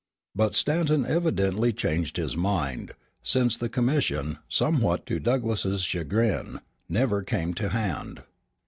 But Stanton evidently changed his mind, since the commission, somewhat to Douglass's chagrin, never came to hand.